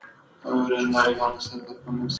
فلم باید د ټولنې هر غړی په پام کې ونیسي